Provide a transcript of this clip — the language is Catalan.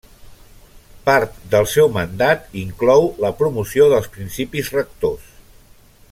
Part del seu mandat inclou la promoció dels Principis Rectors.